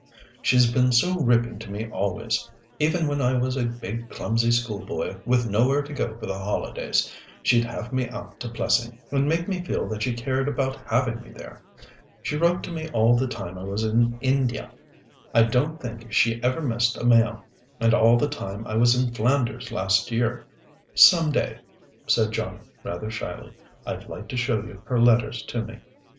She's been so ripping to me always. Even when I was a big clumsy schoolboy, with nowhere to go to for the holidays, she'd have me out to Plessing, and make me feel that she cared about having me there. She wrote to me all the time I was in India I don't think she ever missed a mail and all the time I was in Flanders last year. Some day," said Johnnie, rather shyly, "I'd like to show you her letters to me.